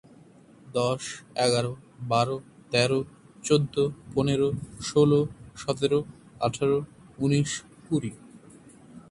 দশ, এগারো, বারো, তেরো, চোদ্দো, পনেরো, ষোলো, সতেরো, আঠারো, উনিশ, কুরি।